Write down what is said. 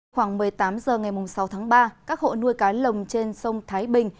khoảng một mươi tám h ngày sáu tháng ba các hộ nuôi cá lồng trên sông thái bình